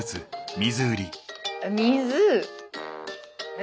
水！